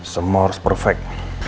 semua harus perfect